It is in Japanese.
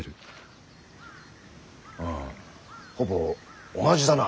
ああほぼ同じだな。